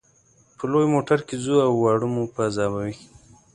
په لوی موټر کې ځو او واړه مو په عذابوي.